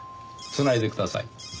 繋いでください。